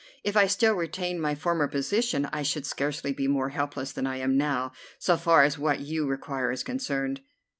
If I still retained my former position I should scarcely be more helpless than I am now, so far as what you require is concerned."